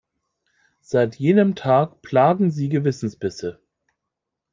Seit jenem Tag plagen sie Gewissensbisse.